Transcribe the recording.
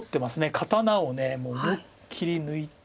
刀をもう思いっきり抜いて。